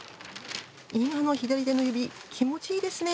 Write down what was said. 今の左手の指気持ちいいですね。